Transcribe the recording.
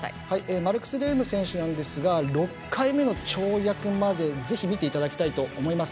マルクス・レーム選手なんですが６回目の跳躍まで見ていただきたいと思います。